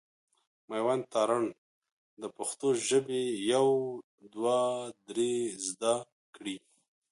مېوند تارڼ د پښتو ژبي يو دوه درې زده کړي.